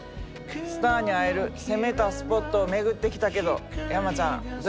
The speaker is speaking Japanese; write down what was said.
スターに会える攻めたスポットを巡ってきたけど山ちゃんどやった？